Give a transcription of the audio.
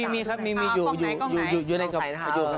มีครับมีอยู่อยู่ในกระเป๋า